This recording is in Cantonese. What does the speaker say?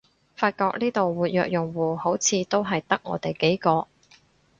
發覺呢度活躍用戶好似都係得我哋幾個